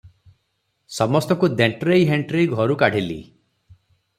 ସମସ୍ତଙ୍କୁ ଦେଣ୍ଟରେଇ ହେଣ୍ଟରେଇ ଘରୁ କାଢ଼ିଲି ।